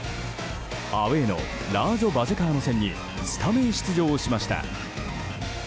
アウェーのラージョ・バジェカーノ戦にスタメン出場しました。